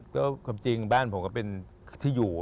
ก็ความจริงบ้านผมก็เป็นที่อยู่